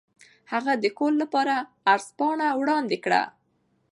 هغه د کور لپاره عرض پاڼه وړاندې کړه.